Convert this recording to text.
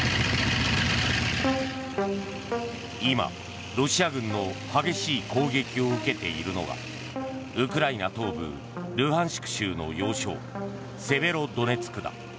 今、ロシア軍の激しい攻撃を受けているのがウクライナ東部ルハンシク州の要衝セベロドネツクだ。